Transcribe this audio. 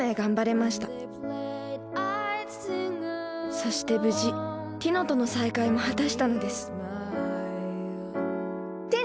そして無事ティノとの再会も果たしたのですティノ！